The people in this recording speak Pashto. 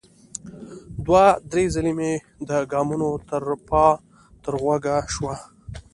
دوه ـ درې ځلې مې د ګامونو ترپا تر غوږ شوه.